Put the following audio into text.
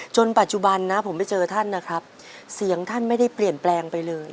ปัจจุบันนะผมไปเจอท่านนะครับเสียงท่านไม่ได้เปลี่ยนแปลงไปเลย